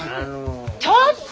ちょっと！